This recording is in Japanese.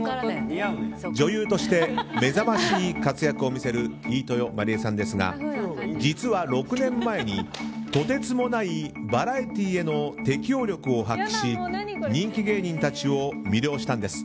女優として目覚ましい活躍を見せる飯豊まりえさんですが実は６年前にとてつもないバラエティーへの適応力を発揮し、人気芸人たちを魅了したんです。